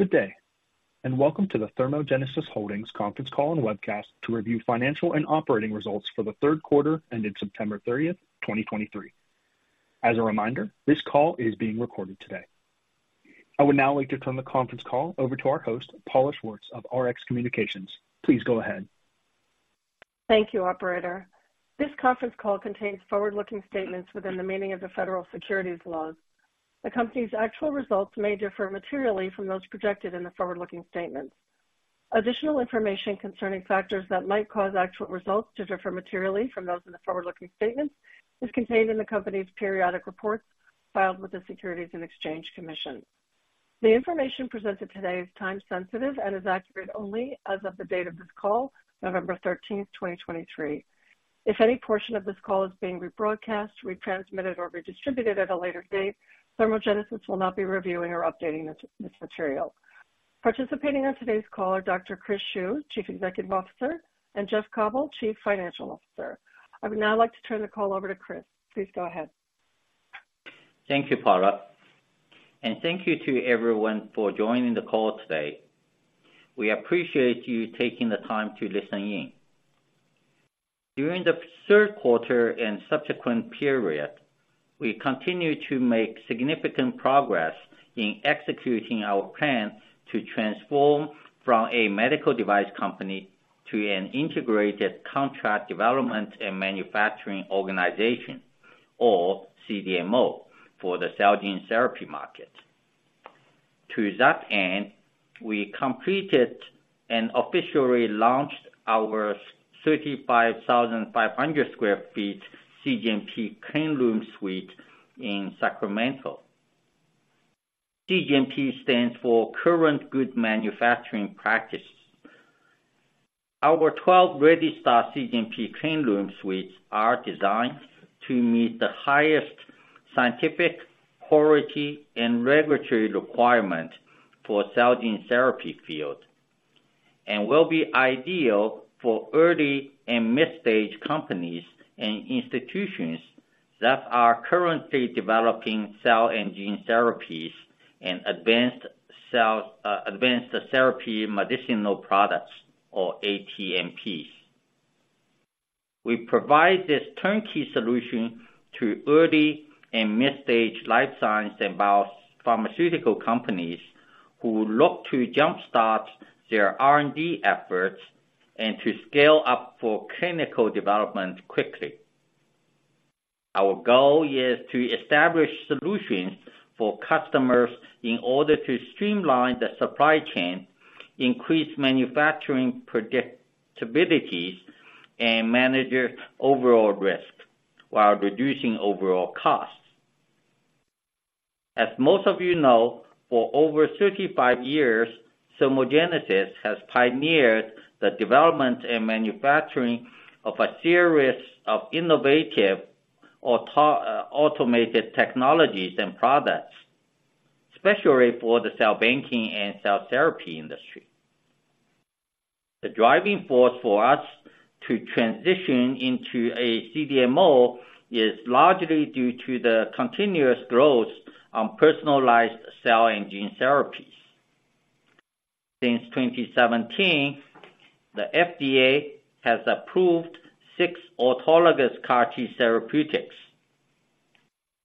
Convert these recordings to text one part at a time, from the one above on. Good day, and welcome to the ThermoGenesis Holdings conference call and webcast to review financial and operating results for the third quarter, ended September 30th, 2023. As a reminder, this call is being recorded today. I would now like to turn the conference call over to our host, Paula Schwartz of Rx Communications. Please go ahead. Thank you, operator. This conference call contains forward-looking statements within the meaning of the Federal Securities laws. The company's actual results may differ materially from those projected in the forward-looking statements. Additional information concerning factors that might cause actual results to differ materially from those in the forward-looking statements is contained in the company's periodic reports filed with the Securities and Exchange Commission. The information presented today is time sensitive and is accurate only as of the date of this call, November 13th, 2023. If any portion of this call is being rebroadcast, retransmitted, or redistributed at a later date, ThermoGenesis will not be reviewing or updating this material. Participating on today's call are Dr. Chris Xu, Chief Executive Officer, and Jeff Cauble, Chief Financial Officer. I would now like to turn the call over to Chris. Please go ahead. Thank you, Paula, and thank you to everyone for joining the call today. We appreciate you taking the time to listen in. During the third quarter and subsequent period, we continued to make significant progress in executing our plans to transform from a medical device company to an integrated contract development and manufacturing organization, or CDMO, for the cell gene therapy market. To that end, we completed and officially launched our 35,500 sq ft cGMP cleanroom suite in Sacramento. cGMP stands for Current Good Manufacturing Practice. Our 12 registered cGMP cleanroom suites are designed to meet the highest scientific, quality, and regulatory requirement for cell gene therapy field, and will be ideal for early and mid-stage companies and institutions that are currently developing cell and gene therapies and advanced cell, advanced therapy medicinal products or ATMPs. We provide this turnkey solution to early and mid-stage life science and biopharmaceutical companies who look to jumpstart their R&D efforts and to scale up for clinical development quickly. Our goal is to establish solutions for customers in order to streamline the supply chain, increase manufacturing predictabilities, and manage their overall risk while reducing overall costs. As most of you know, for over 35 years, ThermoGenesis has pioneered the development and manufacturing of a series of innovative automated technologies and products, especially for the cell banking and cell therapy industry. The driving force for us to transition into a CDMO is largely due to the continuous growth on personalized cell and gene therapies. Since 2017, the FDA has approved six autologous CAR-T therapeutics.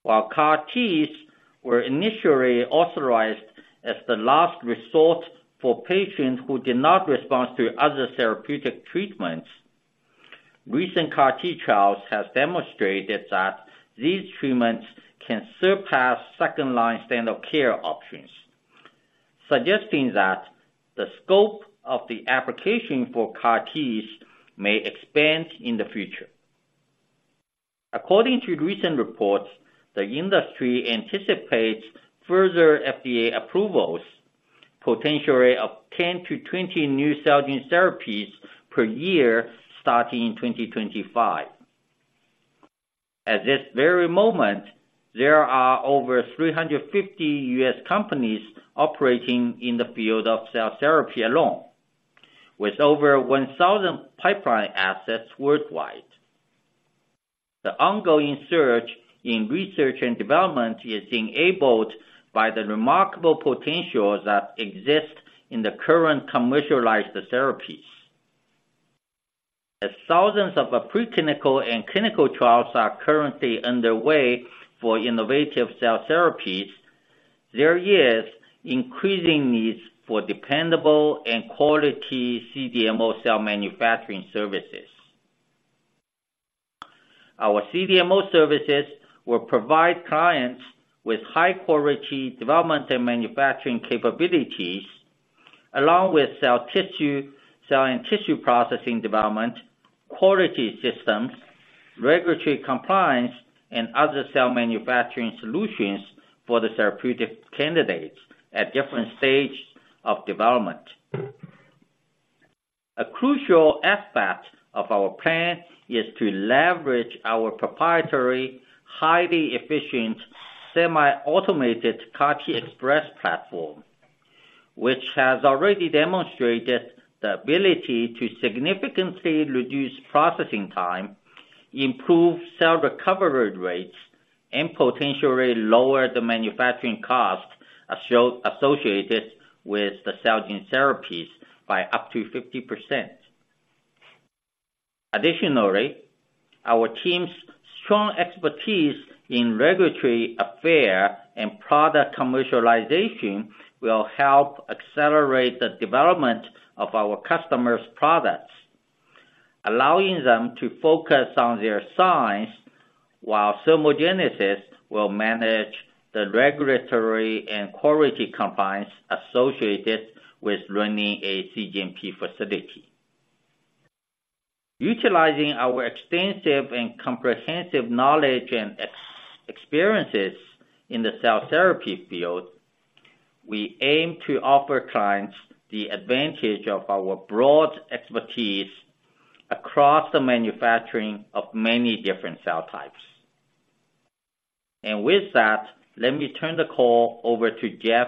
While CAR-Ts were initially authorized as the last resort for patients who did not respond to other therapeutic treatments, recent CAR-T trials has demonstrated that these treatments can surpass second-line standard care options, suggesting that the scope of the application for CAR-Ts may expand in the future. According to recent reports, the industry anticipates further FDA approvals, potentially of 10 new cell gene-20 new cell gene therapies per year, starting in 2025. At this very moment, there are over 350 U.S. companies operating in the field of cell therapy alone, with over 1,000 pipeline assets worldwide. The ongoing surge in research and development is enabled by the remarkable potential that exists in the current commercialized therapies. As thousands of preclinical and clinical trials are currently underway for innovative cell therapies, there is increasing needs for dependable and quality CDMO cell manufacturing services. Our CDMO services will provide clients with high-quality development and manufacturing capabilities, along with cell tissue, cell and tissue processing development, quality systems, regulatory compliance, and other cell manufacturing solutions for the therapeutic candidates at different stages of development. A crucial aspect of our plan is to leverage our proprietary, highly efficient, semi-automated CAR-TXpress platform, which has already demonstrated the ability to significantly reduce processing time, improve cell recovery rates and potentially lower the manufacturing costs associated with the cell gene therapies by up to 50%. Additionally, our team's strong expertise in regulatory affairs and product commercialization will help accelerate the development of our customers' products, allowing them to focus on their science, while ThermoGenesis will manage the regulatory and quality compliance associated with running a cGMP facility. Utilizing our extensive and comprehensive knowledge and experiences in the cell therapy field, we aim to offer clients the advantage of our broad expertise across the manufacturing of many different cell types. With that, let me turn the call over to Jeff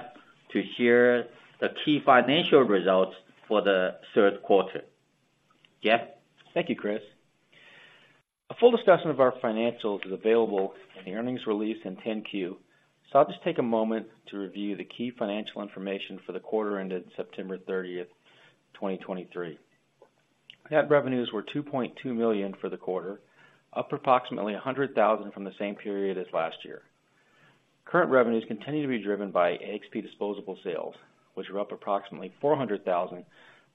to share the key financial results for the third quarter. Jeff? Thank you, Chris. A full discussion of our financials is available in the earnings release and 10-Q. So I'll just take a moment to review the key financial information for the quarter ended September 30th, 2023. Net revenues were $2.2 million for the quarter, up approximately $100,000 from the same period as last year. Current revenues continue to be driven by AXP disposable sales, which were up approximately $400,000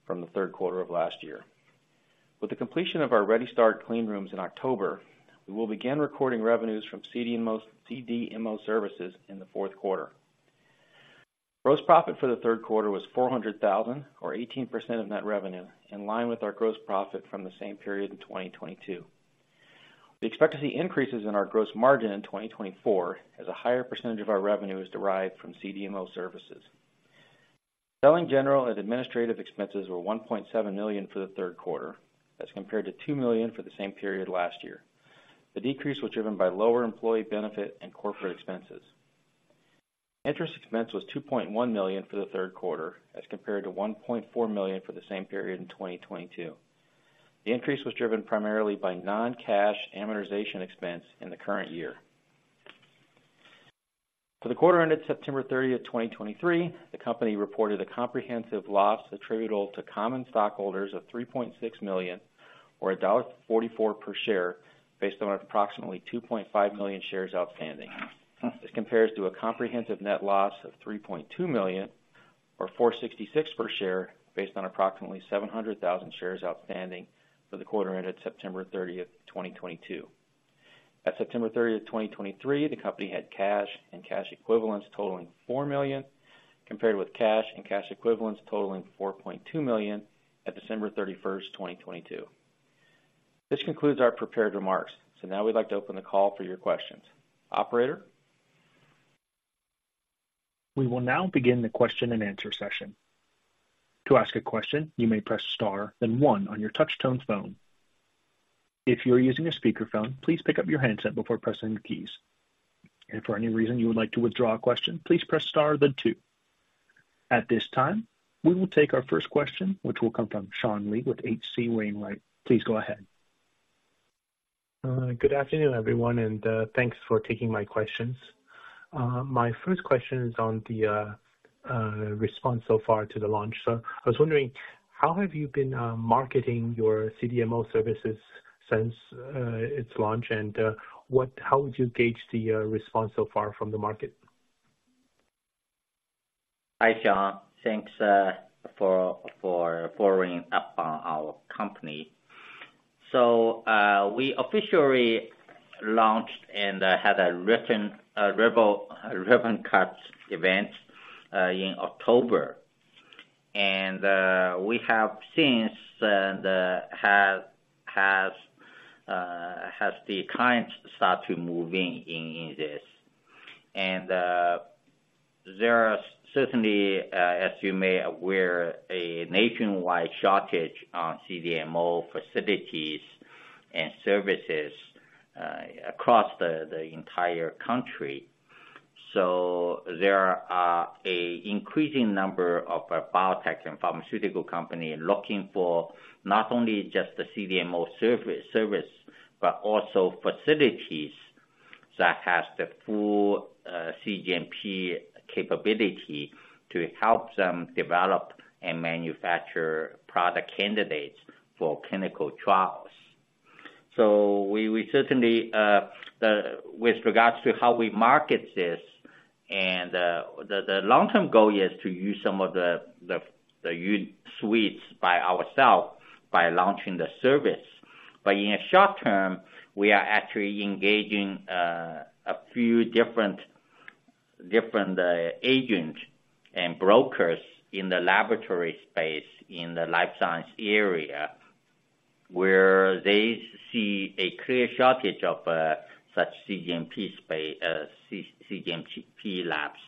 from the third quarter of last year. With the completion of our ReadyStart cleanrooms in October, we will begin recording revenues from CDMO, CDMO services in the fourth quarter. Gross profit for the third quarter was $400,000, or 18% of net revenue, in line with our gross profit from the same period in 2022. We expect to see increases in our gross margin in 2024, as a higher percentage of our revenue is derived from CDMO services. Selling general and administrative expenses were $1.7 million for the third quarter, as compared to $2 million for the same period last year. The decrease was driven by lower employee benefit and corporate expenses. Interest expense was $2.1 million for the third quarter, as compared to $1.4 million for the same period in 2022. The increase was driven primarily by non-cash amortization expense in the current year. For the quarter ended September 30th, 2023, the company reported a comprehensive loss attributable to common stockholders of $3.6 million, or $1.44 per share, based on approximately 2.5 million shares outstanding. This compares to a comprehensive net loss of $3.2 million, or $4.66 per share, based on approximately 700,000 shares outstanding for the quarter ended September 30th, 2022. At September 30th, 2023, the company had cash and cash equivalents totaling $4 million, compared with cash and cash equivalents totaling $4.2 million at December 31st, 2022. This concludes our prepared remarks. So now we'd like to open the call for your questions. Operator? We will now begin the question-and-answer session. To ask a question, you may press star, then one on your touch tone phone. If you are using a speakerphone, please pick up your handset before pressing the keys. If for any reason you would like to withdraw a question, please press star then two. At this time, we will take our first question, which will come from Sean Lee with H.C. Wainwright. Please go ahead. Good afternoon, everyone, and thanks for taking my questions. My first question is on the response so far to the launch. So I was wondering, how have you been marketing your CDMO services since its launch? And how would you gauge the response so far from the market? Hi, Sean. Thanks for following up on our company. So, we officially launched and had a ribbon cut event in October. And we have since had the clients start to move in this. And there are certainly, as you may be aware, a nationwide shortage on CDMO facilities and services across the entire country. So there are an increasing number of biotech and pharmaceutical companies looking for not only just the CDMO service, but also facilities that have the full cGMP capability to help them develop and manufacture product candidates for clinical trials. So we certainly, with regards to how we market this and the long-term goal is to use some of the unit suites by ourselves by launching the service. But in the short term, we are actually engaging a few different agents and brokers in the laboratory space in the life science area, where they see a clear shortage of such cGMP space, cGMP labs.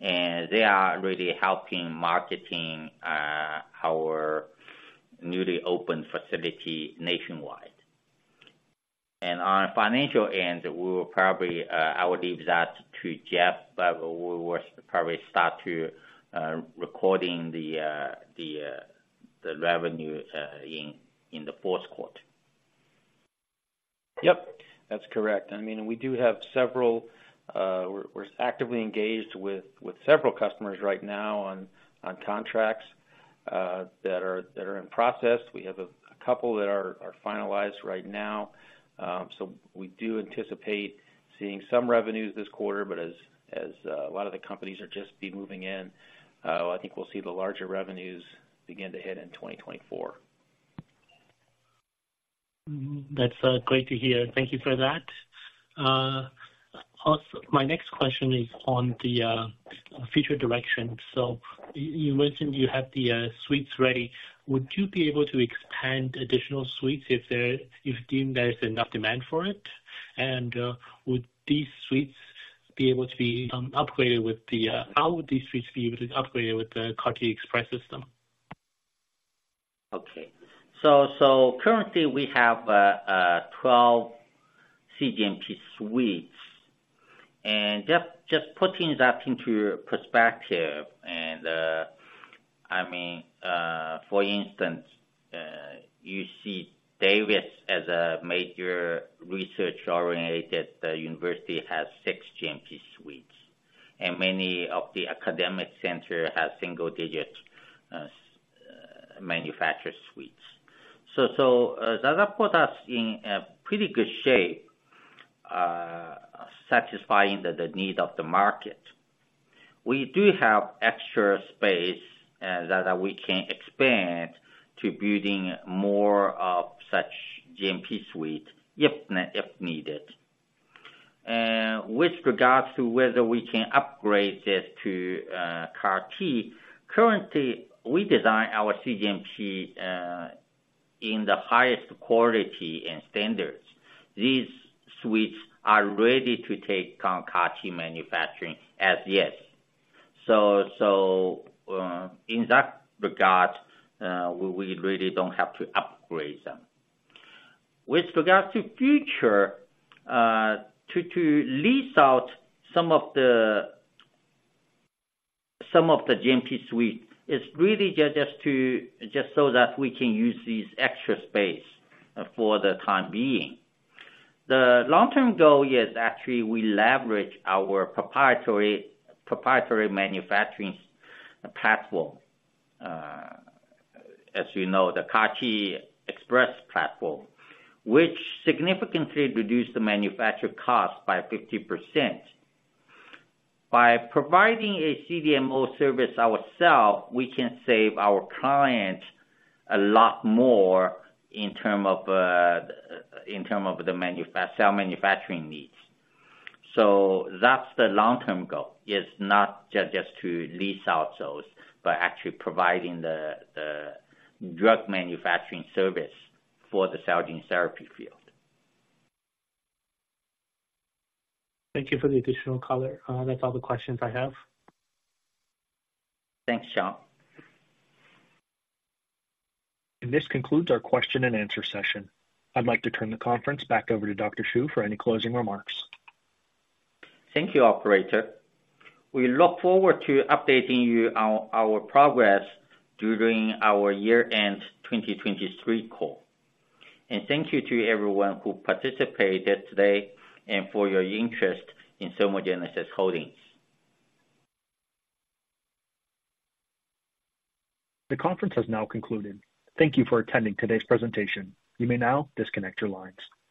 And they are really helping marketing our newly opened facility nationwide. And on the financial end, we will probably, I will leave that to Jeff, but we will probably start to recording the revenue in the fourth quarter? Yep, that's correct. I mean, we do have several, we're actively engaged with several customers right now on contracts that are in process. We have a couple that are finalized right now. So we do anticipate seeing some revenues this quarter, but as a lot of the companies are just be moving in, I think we'll see the larger revenues begin to hit in 2024. That's great to hear. Thank you for that. Also, my next question is on the future direction. So you mentioned you have the suites ready. Would you be able to expand additional suites if deemed there is enough demand for it? And, how would these suites be able to be upgraded with the CAR-TXpress system? Okay. So currently we have 12 cGMP suites, and just putting that into perspective, and I mean, for instance, you see UC Davis as a major research-oriented university, has six GMP suites, and many of the academic centers have single-digit manufacture suites. So that puts us in a pretty good shape, satisfying the need of the market. We do have extra space that we can expand to building more of such GMP suites, if needed. With regards to whether we can upgrade it to CAR-T, currently, we design our cGMP in the highest quality and standards. These suites are ready to take on CAR-T manufacturing as yet. So in that regard, we really don't have to upgrade them. With regards to future, to lease out some of the GMP suite, it's really just so that we can use this extra space for the time being. The long-term goal is actually we leverage our proprietary manufacturing platform, as you know, the CAR-TXpress platform, which significantly reduce the manufacture cost by 50%. By providing a CDMO service ourselves, we can save our clients a lot more in term of, in term of the cell manufacturing needs. So that's the long-term goal, is not just to lease out those, but actually providing the drug manufacturing service for the cell gene therapy field. Thank you for the additional color. That's all the questions I have. Thanks, Sean. This concludes our question-and-answer session. I'd like to turn the conference back over to Dr. Xu for any closing remarks. Thank you, operator. We look forward to updating you on our progress during our year-end 2023 call. Thank you to everyone who participated today and for your interest in ThermoGenesis Holdings. The conference has now concluded. Thank you for attending today's presentation. You may now disconnect your lines.